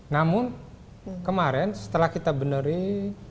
namun kemarin setelah kita benerin